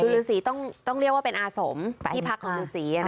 ฤษีต้องเรียกว่าเป็นอาสมที่พักของฤษี